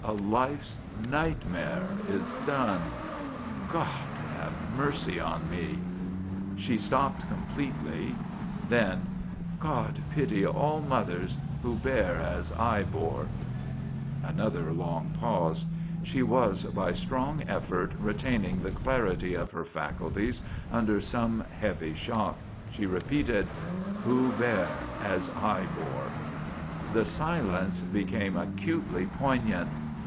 A life's nightmare is done. God have mercy on me " She stopped completely. Then: "God pity all mothers who bear as I bore " Another long pause. She was by strong effort retaining the clarity of her faculties under some heavy shock. She repeated: "Who bear as I bore!" The silence became acutely poignant.